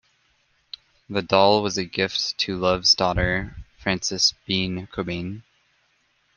The doll was a gift to Love's daughter Frances Bean Cobain.